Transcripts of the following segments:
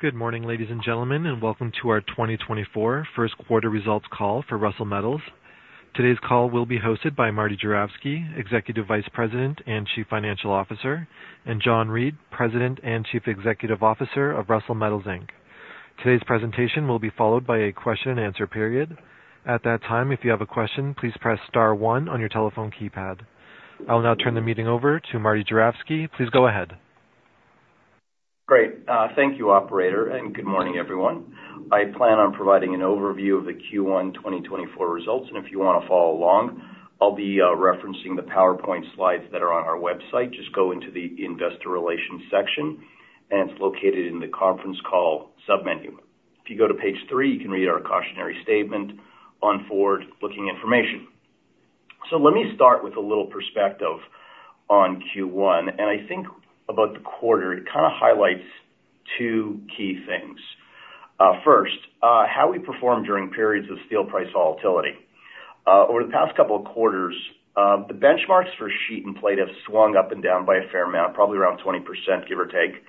Good morning, ladies and gentlemen, and welcome to our 2024 first quarter results call for Russel Metals. Today's call will be hosted by Martin Juravsky, Executive Vice President and Chief Financial Officer, and John Reid, President and Chief Executive Officer of Russel Metals, Inc. Today's presentation will be followed by a question and answer period. At that time, if you have a question, please press star one on your telephone keypad. I'll now turn the meeting over to Martin Juravsky. Please go ahead. Great. Thank you, operator, and good morning, everyone. I plan on providing an overview of the Q1 2024 results, and if you want to follow along, I'll be referencing the PowerPoint slides that are on our website. Just go into the Investor Relations section, and it's located in the conference call sub-menu. If you go to page three, you can read our cautionary statement on forward-looking information. So let me start with a little perspective on Q1, and I think about the quarter, it kind of highlights two key things. First, how we perform during periods of steel price volatility. Over the past couple of quarters, the benchmarks for sheet and plate have swung up and down by a fair amount, probably around 20%, give or take.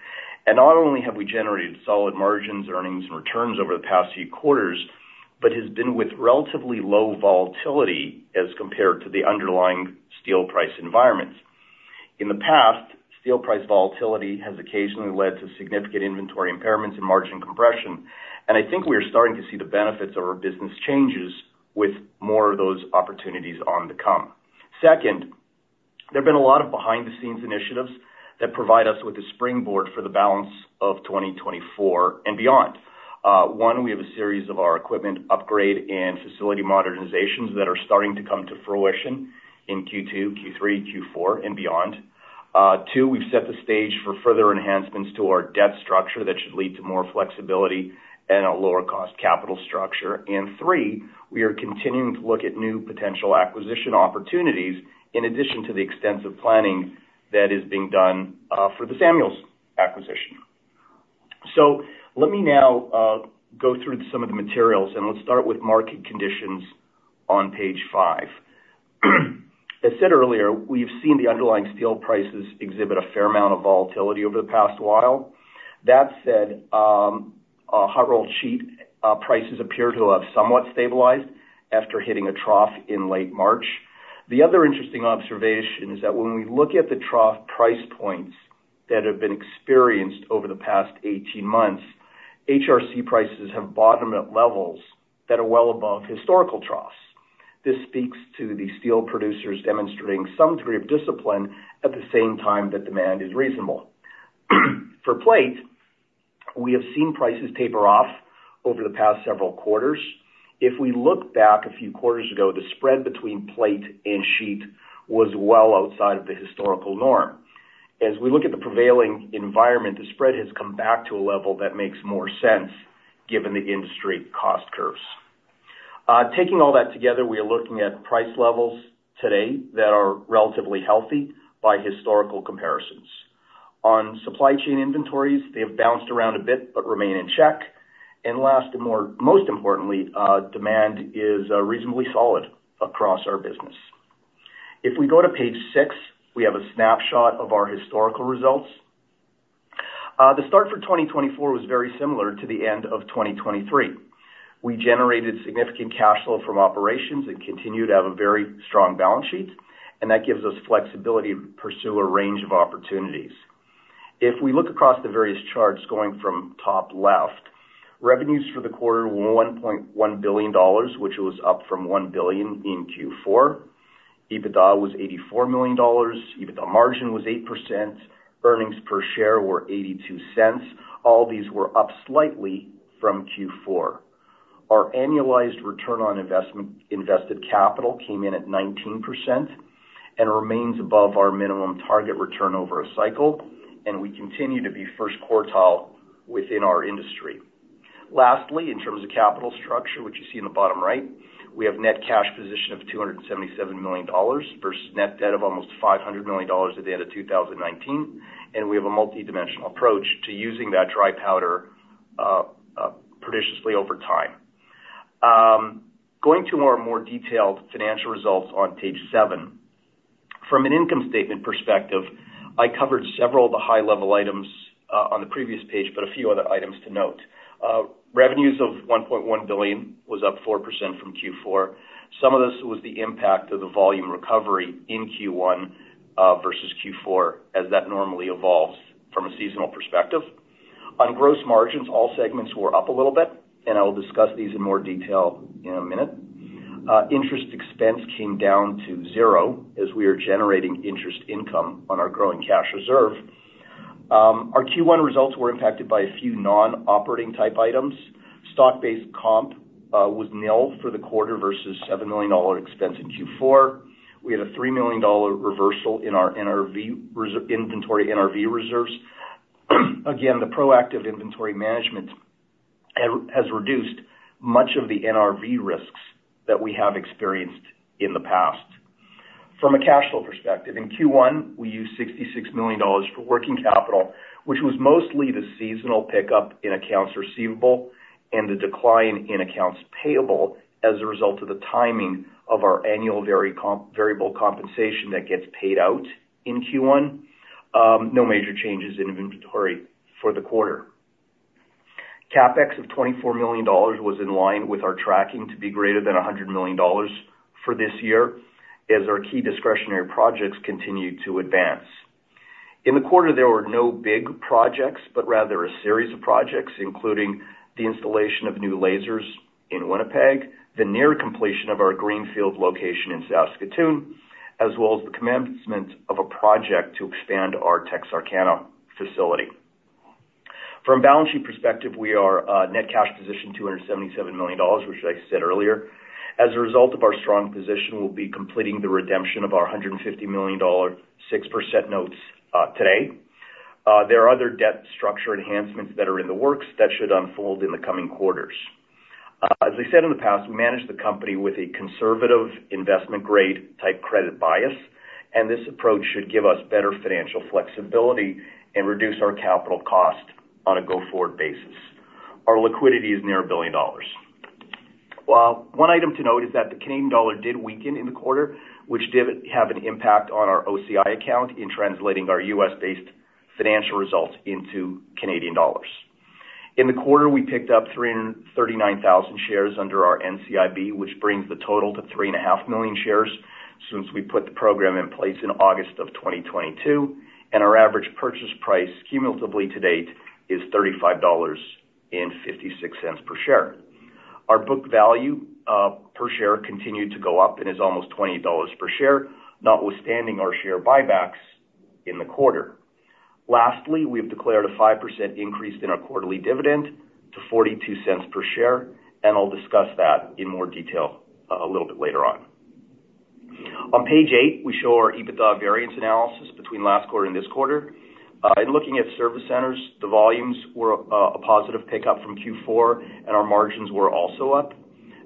Not only have we generated solid margins, earnings, and returns over the past few quarters, but has been with relatively low volatility as compared to the underlying steel price environments. In the past, steel price volatility has occasionally led to significant inventory impairments and margin compression, and I think we are starting to see the benefits of our business changes with more of those opportunities on the come. Second, there have been a lot of behind-the-scenes initiatives that provide us with a springboard for the balance of 2024 and beyond. One, we have a series of our equipment upgrade and facility modernizations that are starting to come to fruition in Q2, Q3, Q4, and beyond. Two, we've set the stage for further enhancements to our debt structure that should lead to more flexibility and a lower cost capital structure. And three, we are continuing to look at new potential acquisition opportunities in addition to the extensive planning that is being done for the Samuel's acquisition. So let me now go through some of the materials, and let's start with market conditions on page five. As said earlier, we've seen the underlying steel prices exhibit a fair amount of volatility over the past while. That said, hot rolled sheet prices appear to have somewhat stabilized after hitting a trough in late March. The other interesting observation is that when we look at the trough price points that have been experienced over the past 18 months, HRC prices have bottomed at levels that are well above historical troughs. This speaks to the steel producers demonstrating some degree of discipline at the same time that demand is reasonable. For plate, we have seen prices taper off over the past several quarters. If we look back a few quarters ago, the spread between plate and sheet was well outside of the historical norm. As we look at the prevailing environment, the spread has come back to a level that makes more sense given the industry cost curves. Taking all that together, we are looking at price levels today that are relatively healthy by historical comparisons. On supply chain inventories, they have bounced around a bit but remain in check. And last, most importantly, demand is reasonably solid across our business. If we go to page six, we have a snapshot of our historical results. The start for 2024 was very similar to the end of 2023. We generated significant cash flow from operations and continued to have a very strong balance sheet, and that gives us flexibility to pursue a range of opportunities. If we look across the various charts, going from top left, revenues for the quarter were 1.1 billion dollars, which was up from 1 billion in Q4. EBITDA was 84 million dollars. EBITDA margin was 8%. Earnings per share were 0.82. All these were up slightly from Q4. Our annualized return on invested capital came in at 19% and remains above our minimum target return over a cycle, and we continue to be first quartile within our industry. Lastly, in terms of capital structure, which you see in the bottom right, we have net cash position of 277 million dollars versus net debt of almost 500 million dollars at the end of 2019, and we have a multidimensional approach to using that dry powder prudently over time. Going to our more detailed financial results on page seven. From an income statement perspective, I covered several of the high-level items on the previous page, but a few other items to note. Revenues of 1.1 billion was up 4% from Q4. Some of this was the impact of the volume recovery in Q1 versus Q4, as that normally evolves from a seasonal perspective. On gross margins, all segments were up a little bit, and I will discuss these in more detail in a minute. Interest expense came down to zero as we are generating interest income on our growing cash reserve. Our Q1 results were impacted by a few non-operating type items. Stock-based comp was nil for the quarter versus 7 million dollar expense in Q4. We had a 3 million dollar reversal in our inventory NRV reserves. Again, the proactive inventory management has reduced much of the NRV risks that we have experienced in the past. From a cash flow perspective, in Q1, we used 66 million dollars for working capital, which was mostly the seasonal pickup in accounts receivable and the decline in accounts payable as a result of the timing of our annual variable compensation that gets paid out in Q1. No major changes in inventory for the quarter. CapEx of 24 million dollars was in line with our tracking to be greater than 100 million dollars for this year, as our key discretionary projects continued to advance. In the quarter, there were no big projects, but rather a series of projects, including the installation of new lasers in Winnipeg, the near completion of our greenfield location in Saskatoon, as well as the commencement of a project to expand our Texarkana facility. From a balance sheet perspective, we are net cash position 277 million dollars, which I said earlier. As a result of our strong position, we'll be completing the redemption of our 150 million dollar 6% notes today. There are other debt structure enhancements that are in the works that should unfold in the coming quarters. As I said in the past, we manage the company with a conservative investment grade type credit bias, and this approach should give us better financial flexibility and reduce our capital cost on a go-forward basis. Our liquidity is near 1 billion. Well, one item to note is that the Canadian dollar did weaken in the quarter, which did have an impact on our OCI account in translating our U.S.-based financial results into Canadian dollars. In the quarter, we picked up 339,000 shares under our NCIB, which brings the total to 3.5 million shares since we put the program in place in August 2022, and our average purchase price, cumulatively to date, is 35.56 dollars per share. Our book value per share continued to go up and is almost 20 dollars per share, notwithstanding our share buybacks in the quarter. Lastly, we have declared a 5% increase in our quarterly dividend to 0.42 per share, and I'll discuss that in more detail a little bit later on. On page eight, we show our EBITDA variance analysis between last quarter and this quarter. In looking at service centers, the volumes were a positive pickup from Q4, and our margins were also up.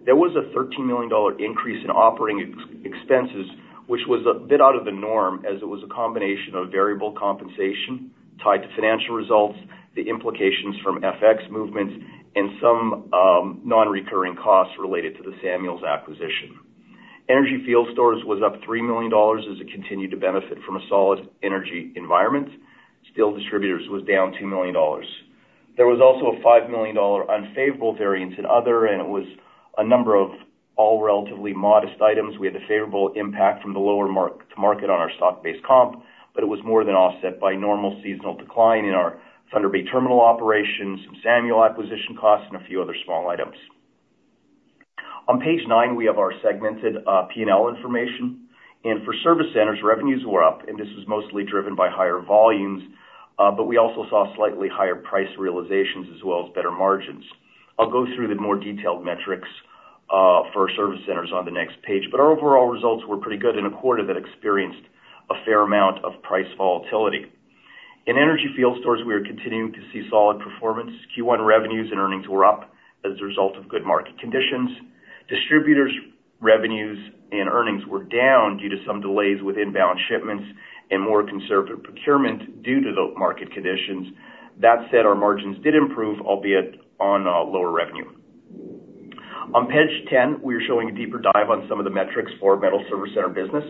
There was a 13 million dollar increase in operating expenses, which was a bit out of the norm, as it was a combination of variable compensation tied to financial results, the implications from FX movements, and some non-recurring costs related to the Samuel's acquisition. Energy field stores was up 3 million dollars as it continued to benefit from a solid energy environment. Steel distributors was down 2 million dollars. There was also a 5 million dollar unfavorable variance in other, and it was a number of all relatively modest items. We had a favorable impact from the lower mark-to-market on our stock-based comp, but it was more than offset by normal seasonal decline in our Thunder Bay terminal operations, some Samuel acquisition costs, and a few other small items. On page nine, we have our segmented P&L information. For service centers, revenues were up, and this was mostly driven by higher volumes, but we also saw slightly higher price realizations as well as better margins. I'll go through the more detailed metrics for our service centers on the next page, but our overall results were pretty good in a quarter that experienced a fair amount of price volatility. In energy field stores, we are continuing to see solid performance. Q1 revenues and earnings were up as a result of good market conditions. Distributors' revenues and earnings were down due to some delays with inbound shipments and more conservative procurement due to the market conditions. That said, our margins did improve, albeit on lower revenue. On page 10, we are showing a deeper dive on some of the metrics for metal service center business.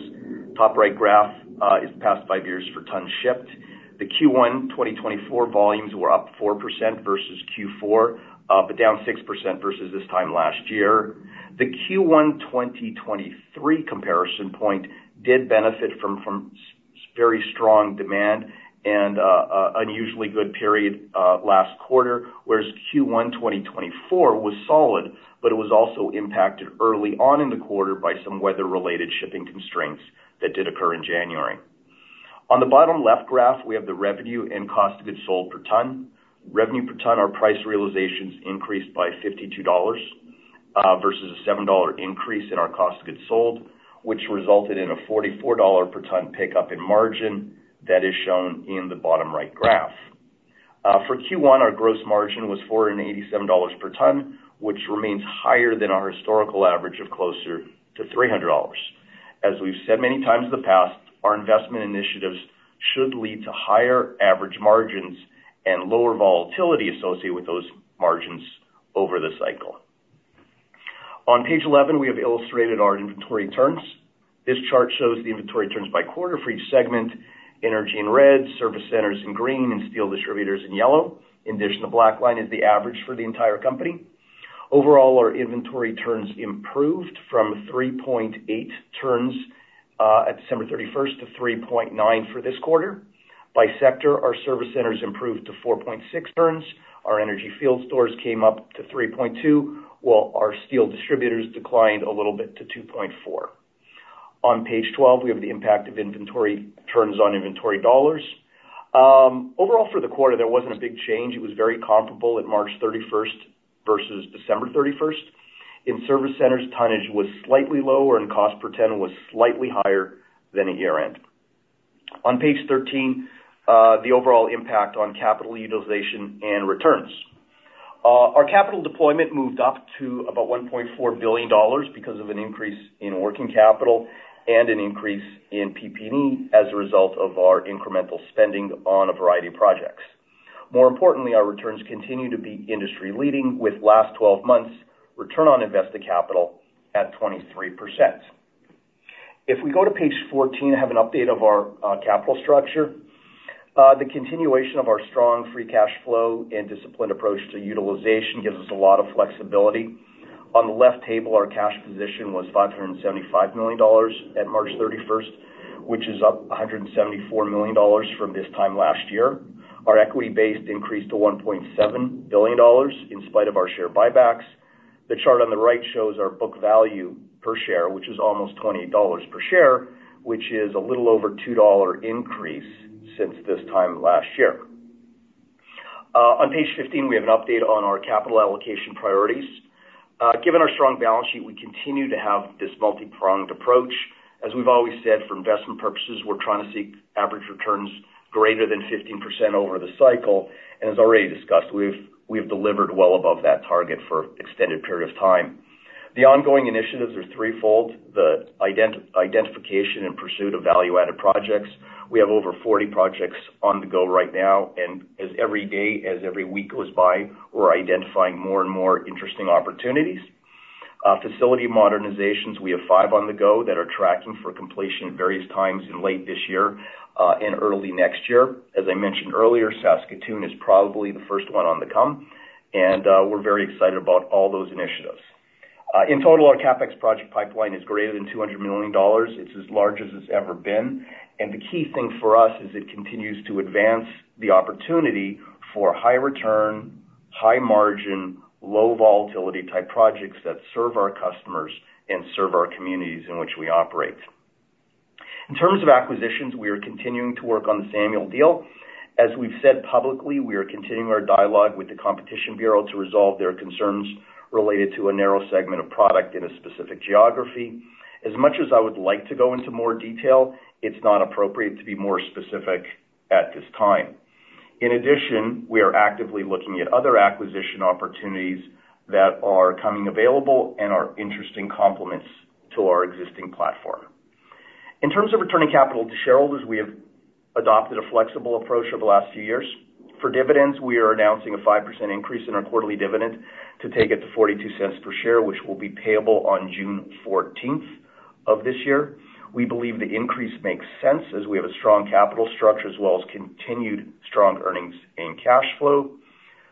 Top right graph is the past five years for tons shipped. The Q1 2024 volumes were up 4% versus Q4, but down 6% versus this time last year. The Q1 2023 comparison point did benefit from very strong demand and unusually good period last quarter, whereas Q1 2024 was solid, but it was also impacted early on in the quarter by some weather-related shipping constraints that did occur in January. On the bottom left graph, we have the revenue and cost of goods sold per ton. Revenue per ton, our price realizations increased by 52 dollars versus a 7 dollar increase in our cost of goods sold, which resulted in a 44 dollar per ton pickup in margin. That is shown in the bottom right graph. For Q1, our gross margin was 487 dollars per ton, which remains higher than our historical average of closer to 300 dollars. As we've said many times in the past, our investment initiatives should lead to higher average margins and lower volatility associated with those margins over the cycle. On page 11, we have illustrated our inventory turns. This chart shows the inventory turns by quarter for each segment, energy in red, service centers in green, and steel distributors in yellow. In addition, the black line is the average for the entire company. Overall, our inventory turns improved from 3.8 turns at December 31st to 3.9 for this quarter. By sector, our service centers improved to 4.6 turns, our energy field stores came up to 3.2, while our steel distributors declined a little bit to 2.4. On page 12, we have the impact of inventory turns on inventory dollars. Overall, for the quarter, there wasn't a big change. It was very comparable at March 31st versus December 31st. In service centers, tonnage was slightly lower and cost per ton was slightly higher than at year-end. On page 13, the overall impact on capital utilization and returns. Our capital deployment moved up to about 1.4 billion dollars because of an increase in working capital and an increase in PPE as a result of our incremental spending on a variety of projects. More importantly, our returns continue to be industry-leading, with last twelve months' return on invested capital at 23%. If we go to page 14, I have an update of our capital structure. The continuation of our strong free cash flow and disciplined approach to utilization gives us a lot of flexibility. On the left table, our cash position was 575 million dollars at March 31st, which is up 174 million dollars from this time last year. Our equity base increased to 1.7 billion dollars, in spite of our share buybacks. The chart on the right shows our book value per share, which is almost 28 dollars per share, which is a little over 2 dollar increase since this time last year. On page 15, we have an update on our capital allocation priorities. Given our strong balance sheet, we continue to have this multipronged approach. As we've always said, for investment purposes, we're trying to seek average returns greater than 15% over the cycle, and as already discussed, we've delivered well above that target for extended period of time. The ongoing initiatives are threefold: the identification and pursuit of value-added projects. We have over 40 projects on the go right now, and as every day, as every week goes by, we're identifying more and more interesting opportunities. Facility modernizations, we have 5 on the go that are tracking for completion at various times in late this year, and early next year. As I mentioned earlier, Saskatoon is probably the first one to come, and, we're very excited about all those initiatives. In total, our CapEx project pipeline is greater than 200 million dollars. It's as large as it's ever been, and the key thing for us is it continues to advance the opportunity for high return, high margin, low volatility-type projects that serve our customers and serve our communities in which we operate. In terms of acquisitions, we are continuing to work on the Samuel deal. As we've said publicly, we are continuing our dialogue with the Competition Bureau to resolve their concerns related to a narrow segment of product in a specific geography. As much as I would like to go into more detail, it's not appropriate to be more specific at this time. In addition, we are actively looking at other acquisition opportunities that are coming available and are interesting complements to our existing platform. In terms of returning capital to shareholders, we have adopted a flexible approach over the last few years. For dividends, we are announcing a 5% increase in our quarterly dividend to take it to 0.42 per share, which will be payable on June fourteenth of this year. We believe the increase makes sense as we have a strong capital structure, as well as continued strong earnings and cash flow.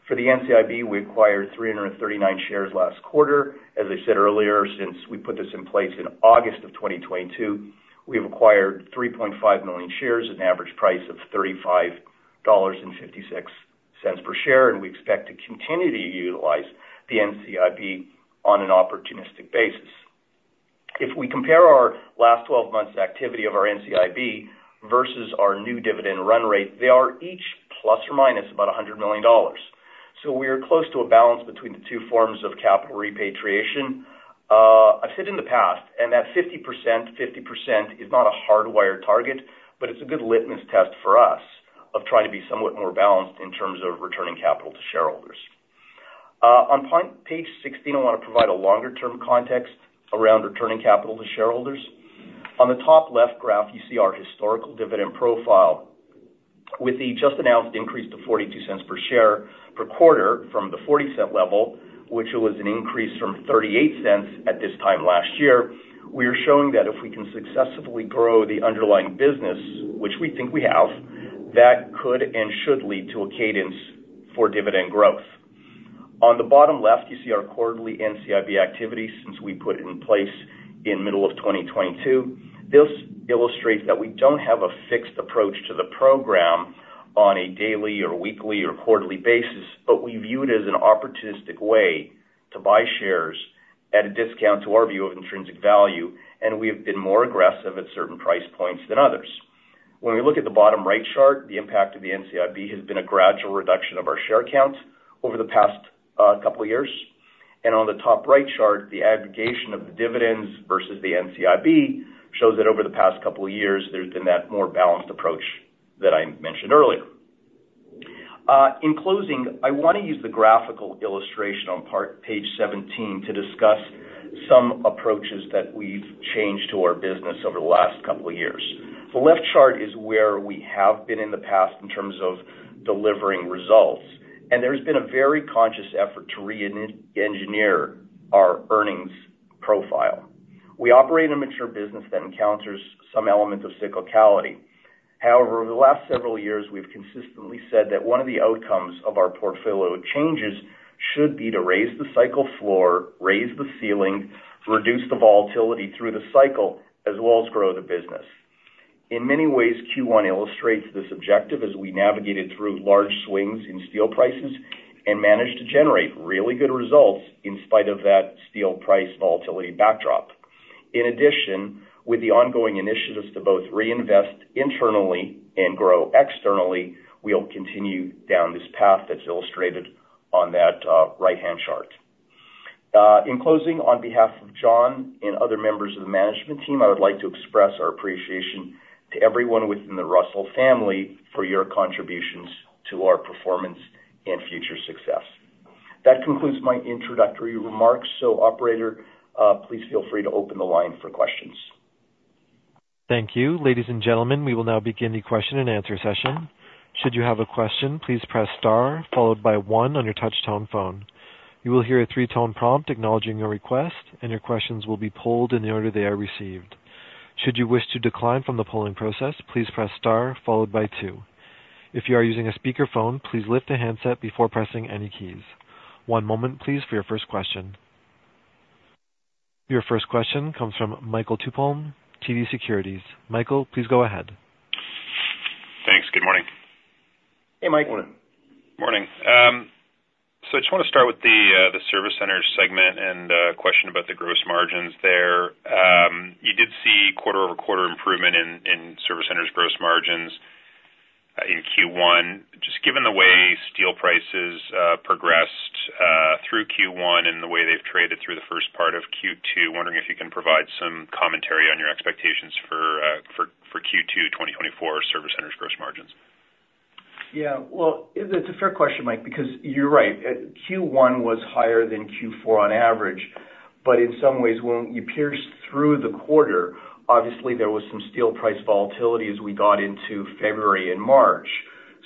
For the NCIB, we acquired 339 shares last quarter. As I said earlier, since we put this in place in August of 2022, we've acquired 3.5 million shares at an average price of 35.56 dollars per share, and we expect to continue to utilize the NCIB on an opportunistic basis. If we compare our last 12 months activity of our NCIB versus our new dividend run rate, they are each plus or minus about 100 million dollars. So we are close to a balance between the two forms of capital repatriation. I've said in the past, and that 50%, 50% is not a hardwired target, but it's a good litmus test for us of trying to be somewhat more balanced in terms of returning capital to shareholders. On page sixteen, I wanna provide a longer-term context around returning capital to shareholders. On the top left graph, you see our historical dividend profile. With the just announced increase to 0.42 per share per quarter from the 0.40 level, which was an increase from 0.38 at this time last year, we are showing that if we can successfully grow the underlying business, which we think we have, that could and should lead to a cadence for dividend growth. On the bottom left, you see our quarterly NCIB activities since we put it in place in middle of 2022. This illustrates that we don't have a fixed approach to the program on a daily or weekly or quarterly basis, but we view it as an opportunistic way to buy shares at a discount to our view of intrinsic value, and we have been more aggressive at certain price points than others. When we look at the bottom right chart, the impact of the NCIB has been a gradual reduction of our share count over the past couple of years. On the top right chart, the aggregation of the dividends versus the NCIB shows that over the past couple of years, there's been that more balanced approach that I mentioned earlier. In closing, I want to use the graphical illustration on page 17 to discuss some approaches that we've changed to our business over the last couple of years. The left chart is where we have been in the past in terms of delivering results, and there has been a very conscious effort to re-engineer our earnings profile. We operate a mature business that encounters some element of cyclicality. However, over the last several years, we've consistently said that one of the outcomes of our portfolio changes should be to raise the cycle floor, raise the ceiling, reduce the volatility through the cycle, as well as grow the business. In many ways, Q1 illustrates this objective as we navigated through large swings in steel prices and managed to generate really good results in spite of that steel price volatility backdrop. In addition, with the ongoing initiatives to both reinvest internally and grow externally, we'll continue down this path that's illustrated on that right-hand chart. In closing, on behalf of John and other members of the management team, I would like to express our appreciation to everyone within the Russel family for your contributions to our performance and future success. That concludes my introductory remarks. Operator, please feel free to open the line for questions. Thank you. Ladies and gentlemen, we will now begin the question-and-answer session... Should you have a question, please press star, followed by one on your touchtone phone. You will hear a three-tone prompt acknowledging your request, and your questions will be polled in the order they are received. Should you wish to decline from the polling process, please press star followed by two. If you are using a speakerphone, please lift the handset before pressing any keys. One moment, please, for your first question. Your first question comes from Michael Tupholme, TD Securities. Michael, please go ahead. Thanks. Good morning. Hey, Mike. Morning. Morning. So I just want to start with the service center segment and question about the gross margins there. You did see quarter-over-quarter improvement in service centers gross margins in Q1. Just given the way steel prices progressed through Q1 and the way they've traded through the first part of Q2, wondering if you can provide some commentary on your expectations for Q2 2024 service centers gross margins. Yeah. Well, it's a fair question, Mike, because you're right. Q1 was higher than Q4 on average, but in some ways, when you pierce through the quarter, obviously there was some steel price volatility as we got into February and March.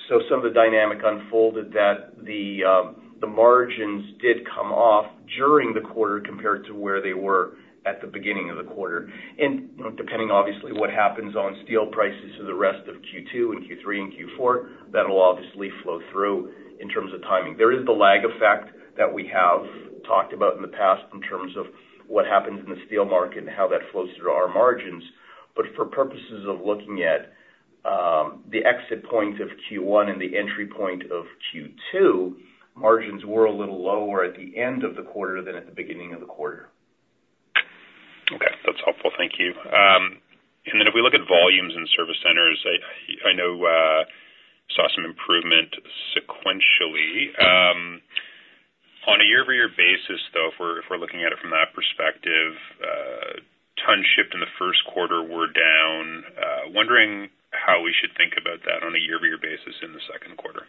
So some of the dynamic unfolded that the margins did come off during the quarter compared to where they were at the beginning of the quarter. And, you know, depending, obviously, what happens on steel prices for the rest of Q2 and Q3 and Q4, that'll obviously flow through in terms of timing. There is the lag effect that we have talked about in the past in terms of what happens in the steel market and how that flows through our margins. For purposes of looking at the exit point of Q1 and the entry point of Q2, margins were a little lower at the end of the quarter than at the beginning of the quarter. Okay. That's helpful. Thank you. And then if we look at volumes in service centers, saw some improvement sequentially. On a year-over-year basis, though, if we're looking at it from that perspective, tons shipped in the first quarter were down. Wondering how we should think about that on a year-over-year basis in the second quarter.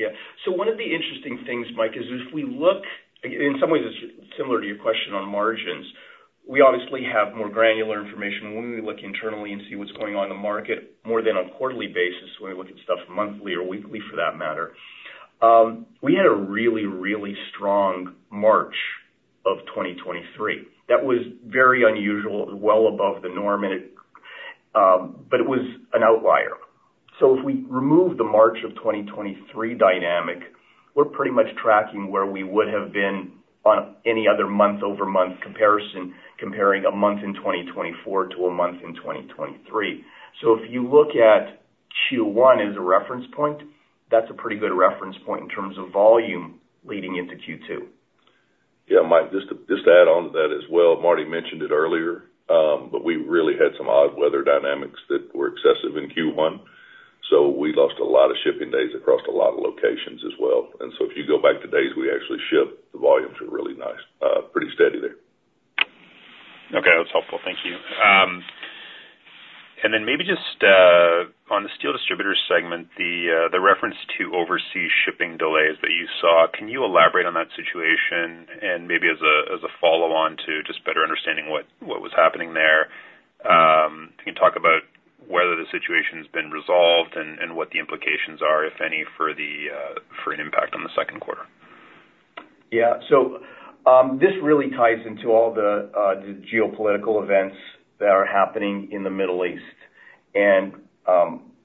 Yeah. So one of the interesting things, Mike, is if we look... In some ways, it's similar to your question on margins. We obviously have more granular information when we look internally and see what's going on in the market more than a quarterly basis, when we look at stuff monthly or weekly, for that matter. We had a really, really strong March of 2023. That was very unusual, well above the norm, and it, but it was an outlier. So if we remove the March of 2023 dynamic, we're pretty much tracking where we would have been on any other month-over-month comparison, comparing a month in 2024 to a month in 2023. So if you look at Q1 as a reference point, that's a pretty good reference point in terms of volume leading into Q2. Yeah, Mike, just to, just to add on to that as well, Martin mentioned it earlier, but we really had some odd weather dynamics that were excessive in Q1, so we lost a lot of shipping days across a lot of locations as well. And so if you go back to days, we actually ship, the volumes are really nice, pretty steady there. Okay, that's helpful. Thank you. And then maybe just on the steel distributor segment, the reference to overseas shipping delays that you saw, can you elaborate on that situation? And maybe as a follow-on to just better understanding what was happening there, can you talk about whether the situation has been resolved and what the implications are, if any, for an impact on the second quarter? Yeah. So, this really ties into all the geopolitical events that are happening in the Middle East. And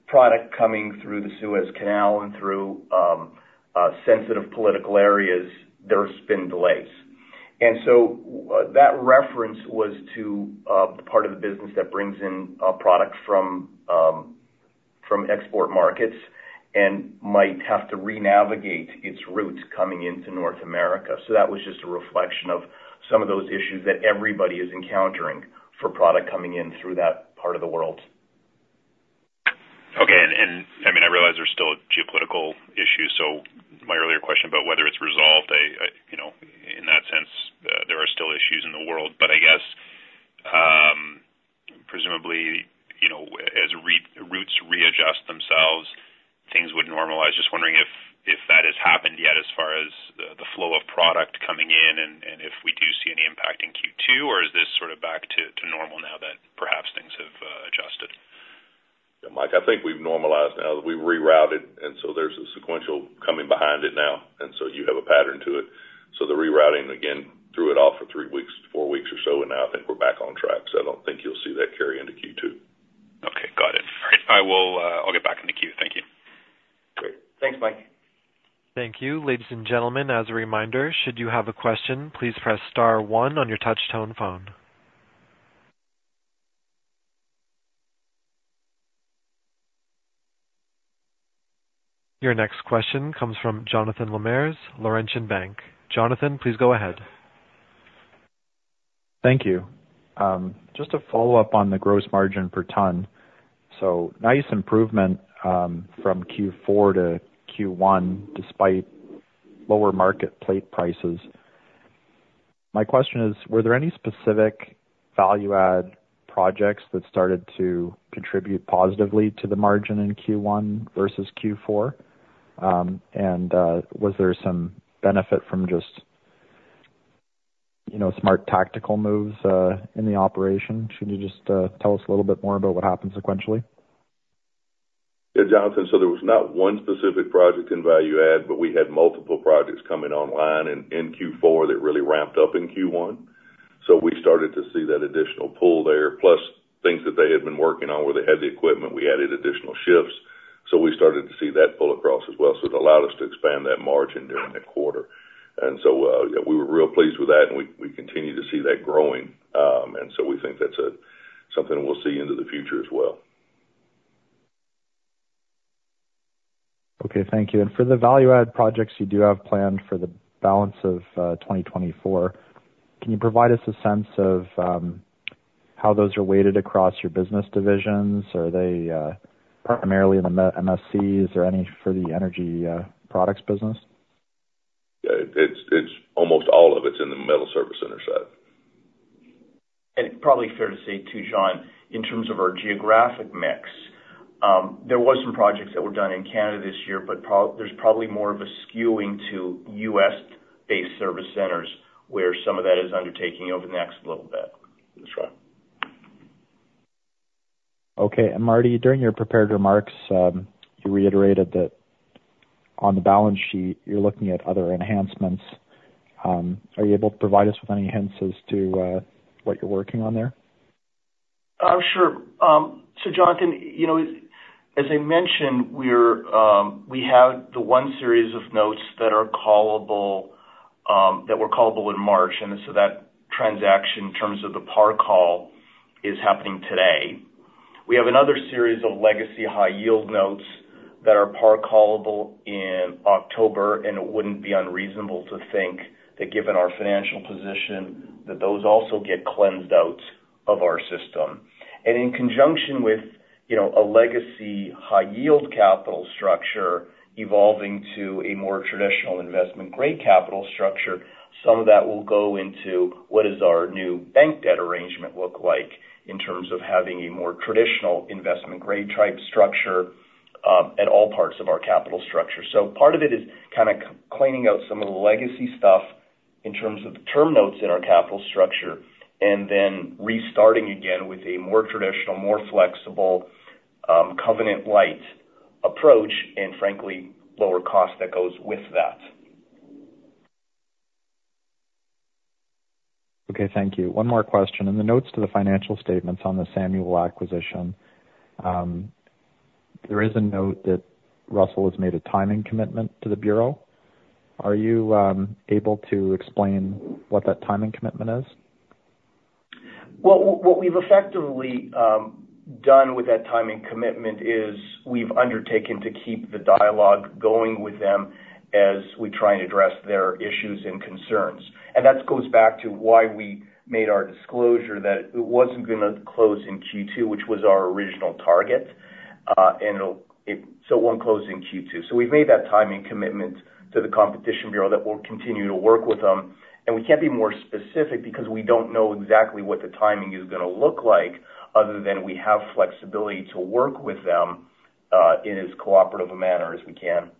product coming through the Suez Canal and through sensitive political areas, there's been delays. And so that reference was to the part of the business that brings in products from export markets and might have to renavigate its routes coming into North America. So that was just a reflection of some of those issues that everybody is encountering for product coming in through that part of the world. Okay. And I mean, I realize there's still geopolitical issues, so my earlier question about whether it's resolved, you know, in that sense, there are still issues in the world. But I guess, presumably, you know, as reroutes readjust themselves, things would normalize. Just wondering if that has happened yet as far as the flow of product coming in and if we do see any impact in Q2, or is this sort of back to normal now that perhaps things have adjusted? Yeah, Mike, I think we've normalized now that we rerouted, and so there's a sequential coming behind it now, and so you have a pattern to it. So the rerouting, again, threw it off for 3-4 weeks or so, and now I think we're back on track, so I don't think you'll see that carry into Q2. Okay, got it. All right. I will, I'll get back in the queue. Thank you. Great. Thanks, Mike. Thank you. Ladies and gentlemen, as a reminder, should you have a question, please press star one on your touchtone phone. Your next question comes from Jonathan Lamers, Laurentian Bank. Jonathan, please go ahead. Thank you. Just to follow up on the gross margin per ton. So nice improvement from Q4 to Q1, despite lower market plate prices. My question is: Were there any specific value add projects that started to contribute positively to the margin in Q1 versus Q4? Was there some benefit from just... you know, smart tactical moves in the operation? Should you just tell us a little bit more about what happened sequentially? Yeah, Jonathan, so there was not one specific project in value add, but we had multiple projects coming online in Q4 that really ramped up in Q1. So we started to see that additional pull there, plus things that they had been working on where they had the equipment, we added additional shifts. So we started to see that pull across as well. So it allowed us to expand that margin during the quarter. And so, yeah, we were real pleased with that, and we continue to see that growing. And so we think that's something we'll see into the future as well. Okay, thank you. And for the value add projects you do have planned for the balance of 2024, can you provide us a sense of how those are weighted across your business divisions? Are they primarily in the MSCs, or any for the energy products business? Yeah, it's almost all of it's in the metal service center side. Probably fair to say, too, John, in terms of our geographic mix, there were some projects that were done in Canada this year, but there's probably more of a skewing to U.S.-based service centers, where some of that is undertaking over the next little bit. That's right. Okay, and Martin, during your prepared remarks, you reiterated that on the balance sheet, you're looking at other enhancements. Are you able to provide us with any hints as to what you're working on there? Sure. So Jonathan, you know, as I mentioned, we're, we have the one series of notes that are callable, that were callable in March, and so that transaction, in terms of the par call, is happening today. We have another series of legacy high yield notes that are par callable in October, and it wouldn't be unreasonable to think that given our financial position, that those also get cleansed out of our system. In conjunction with, you know, a legacy high yield capital structure evolving to a more traditional investment-grade capital structure, some of that will go into what is our new bank debt arrangement look like in terms of having a more traditional investment grade type structure, at all parts of our capital structure. So part of it is kind of cleaning out some of the legacy stuff in terms of the term notes in our capital structure, and then restarting again with a more traditional, more flexible, covenant-lite approach, and frankly, lower cost that goes with that. Okay, thank you. One more question. In the notes to the financial statements on the Samuel acquisition, there is a note that Russel has made a timing commitment to the Bureau. Are you able to explain what that timing commitment is? Well, what we've effectively done with that timing commitment is we've undertaken to keep the dialogue going with them as we try and address their issues and concerns. That goes back to why we made our disclosure, that it wasn't gonna close in Q2, which was our original target, and it'll so it won't close in Q2. We've made that timing commitment to the Competition Bureau that we'll continue to work with them. We can't be more specific because we don't know exactly what the timing is gonna look like, other than we have flexibility to work with them in as cooperative a manner as we can.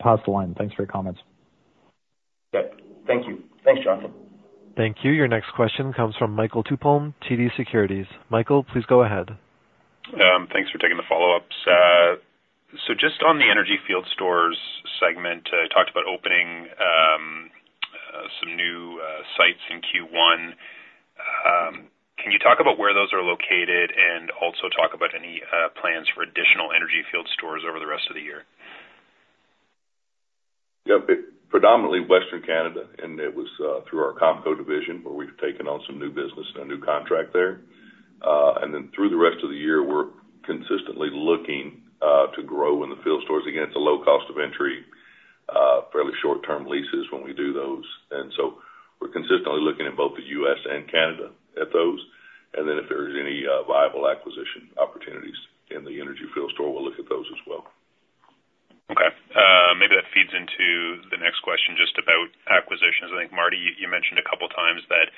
Pause the line. Thanks for your comments. Okay. Thank you. Thanks, Jonathan. Thank you. Your next question comes from Michael Tupholme, TD Securities. Michael, please go ahead. Thanks for taking the follow-ups. So just on the energy field stores segment, you talked about opening some new sites in Q1. Can you talk about where those are located and also talk about any plans for additional energy field stores over the rest of the year? Yeah. Predominantly Western Canada, and it was through our Comco division, where we've taken on some new business and a new contract there. And then through the rest of the year, we're consistently looking to grow in the field stores. Again, it's a low cost of entry, fairly short-term leases when we do those. And so we're consistently looking in both the U.S. and Canada at those. And then if there's any viable acquisition opportunities in the energy field store, we'll look at those as well. Okay, maybe that feeds into the next question just about acquisitions. I think, Martin, you, you mentioned a couple of times that,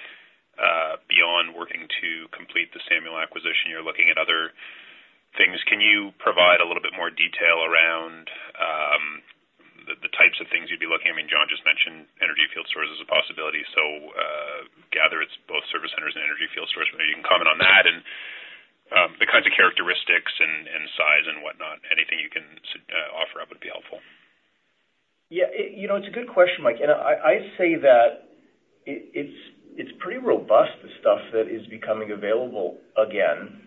beyond working to complete the Samuel acquisition, you're looking at other things. Can you provide a little bit more detail around, the types of things you'd be looking? I mean, John just mentioned energy field stores as a possibility, so, gather it's both service centers and energy field stores. Maybe you can comment on that and, the kinds of characteristics and, and size and whatnot. Anything you can, offer up would be helpful. Yeah, you know, it's a good question, Mike. I say that it, it's pretty robust, the stuff that is becoming available again.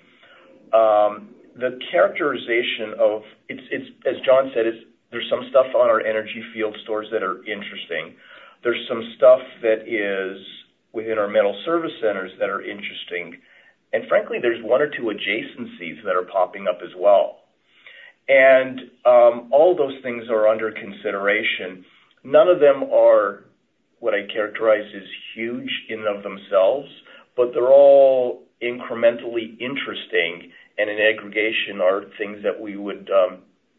The characterization of, it's, as John said, it's, there's some stuff on our energy field stores that are interesting. There's some stuff that is within our metal service centers that are interesting, and frankly, there's one or two adjacencies that are popping up as well. All those things are under consideration. None of them are what I characterize as huge in and of themselves, but they're all incrementally interesting, and in aggregation, are things that we would,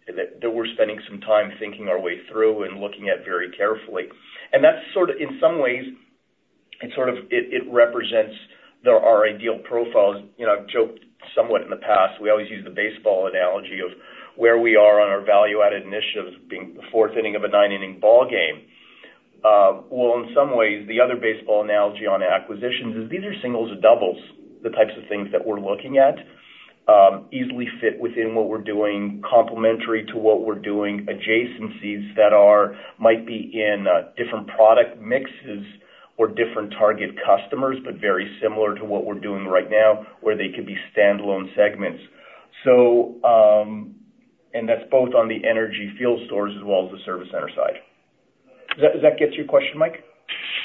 that we're spending some time thinking our way through and looking at very carefully. That's sort of, in some ways, it represents there are ideal profiles. You know, I've joked somewhat in the past, we always use the baseball analogy of where we are on our value-added initiatives being the fourth inning of a nine-inning ball game. Well, in some ways, the other baseball analogy on acquisitions is these are singles or doubles, the types of things that we're looking at. Easily fit within what we're doing, complementary to what we're doing, adjacencies that are might be in different product mixes or different target customers, but very similar to what we're doing right now, where they could be standalone segments. So, and that's both on the energy field stores as well as the service center side. Does that, does that get to your question, Mike?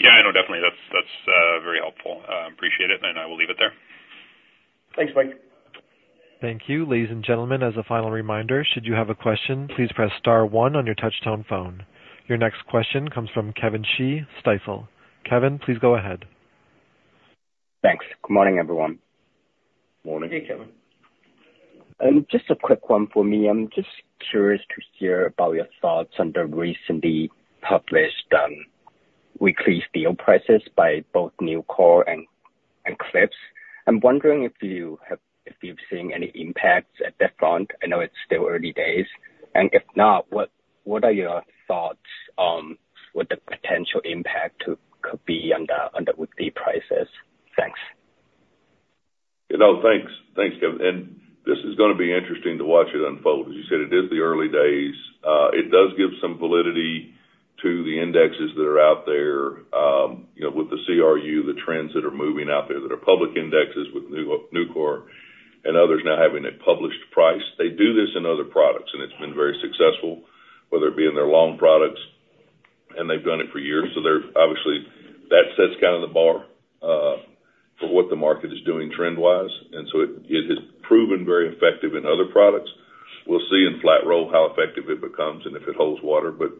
Yeah, I know, definitely. That's very helpful. Appreciate it, and I will leave it there. Thanks, Mike. Thank you. Ladies and gentlemen, as a final reminder, should you have a question, please press star one on your touchtone phone. Your next question comes from Kevin Shi, Stifel. Kevin, please go ahead. Thanks. Good morning, everyone. Morning to you, Kevin. Just a quick one for me. I'm just curious to hear about your thoughts on the recently published weekly steel prices by both Nucor and Cleveland-Cliffs. I'm wondering if you've seen any impacts at that front. I know it's still early days, and if not, what are your thoughts on what the potential impact could be on the weekly prices? Thanks. You know, thanks. Thanks, Kevin, and this is gonna be interesting to watch it unfold. As you said, it is the early days. It does give some validity to the indexes that are out there, you know, with the CRU, the trends that are moving out there, that are public indexes with Nucor and others now having a published price. They do this in other products, and it's been very successful, whether it be in their long products, and they've done it for years, so they're obviously... That sets kind of the bar, for what the market is doing trend-wise, and so it, it has proven very effective in other products. We'll see in flat roll how effective it becomes and if it holds water, but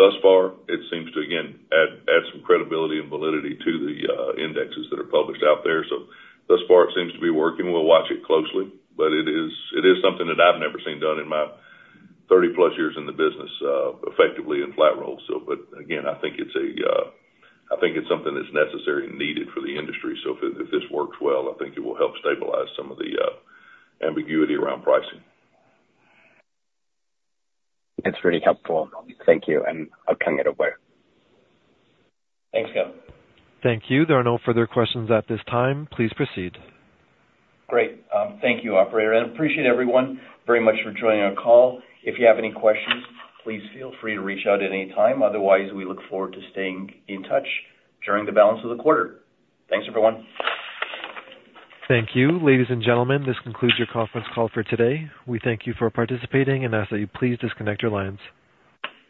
thus far, it seems to, again, add some credibility and validity to the indexes that are published out there. So thus far, it seems to be working. We'll watch it closely, but it is something that I've never seen done in my 30-plus years in the business, effectively in flat roll. So but again, I think it's something that's necessary and needed for the industry. So if this works well, I think it will help stabilize some of the ambiguity around pricing. That's very helpful. Thank you, and I'll hang it away. Thanks, Kevin. Thank you. There are no further questions at this time. Please proceed. Great. Thank you, operator, and appreciate everyone very much for joining our call. If you have any questions, please feel free to reach out at any time. Otherwise, we look forward to staying in touch during the balance of the quarter. Thanks, everyone. Thank you. Ladies and gentlemen, this concludes your conference call for today. We thank you for participating and ask that you please disconnect your lines.